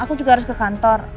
aku juga harus ke kantor